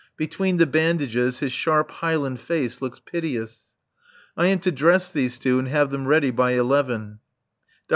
Between the bandages his sharp, Highland face looks piteous. I am to dress these two and have them ready by eleven. Dr.